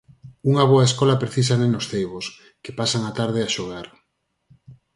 "Unha boa escola precisa nenos ceibos, que pasan a tarde a xogar".